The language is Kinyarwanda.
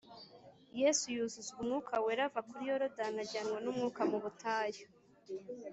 “Yesu yuzuzwa Umwuka Wera, ava kuri Yorodani ajyanwa n’Umwuka mu butayu